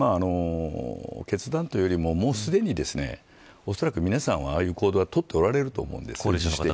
決断というよりももうすでにおそらく皆さんは、ああいう行動をとっておられると思うんです。